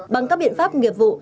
bằng các biện pháp nghiệp vụ